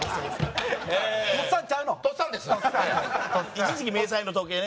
一時期迷彩の時計ね。